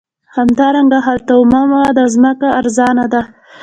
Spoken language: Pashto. همدارنګه هلته اومه مواد او ځمکه ارزانه ده